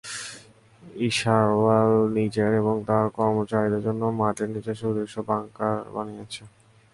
ইশ্যারওয়েল নিজের এবং তার কর্মচারীদের জন্য মাটির নিচে সুদৃশ্য বাংকার বানিয়েছে।